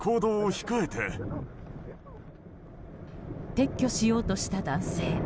撤去しようとした男性。